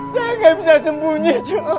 saya tidak bisa sembunyi cik